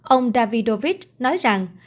ông davidovich nói rằng